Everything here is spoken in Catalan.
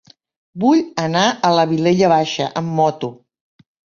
Vull anar a la Vilella Baixa amb moto.